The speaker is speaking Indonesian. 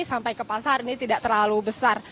sampai ke pasar ini tidak terlalu besar